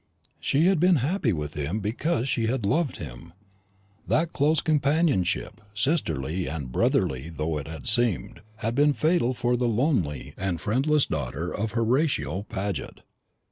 She had been happy with him because she had loved him. That close companionship, sisterly and brotherly though it had seemed, had been fatal for the lonely and friendless daughter of Horatio Paget.